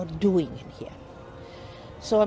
jadi apa yang mereka lakukan